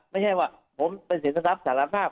ไม่ใช่ว่าผมเป็นสินทรัพย์สารภาพ